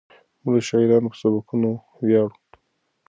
موږ د شاعرانو په سبکونو ویاړو.